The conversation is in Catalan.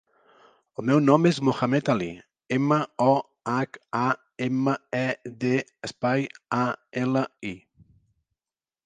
El meu nom és Mohamed ali: ema, o, hac, a, ema, e, de, espai, a, ela, i.